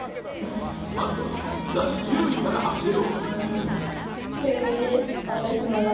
まずは、第１０位から発表